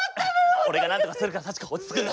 俺がなんとかするからさちこ落ち着くんだ。